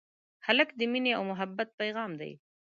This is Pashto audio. هلک د مینې او محبت پېغام دی.